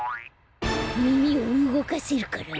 みみをうごかせるから？